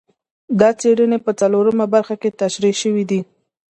دا څېړنې په څلورمه برخه کې تشرېح شوي دي.